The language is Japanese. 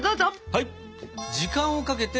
はい！